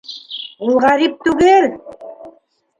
Ул ғәрип түгел!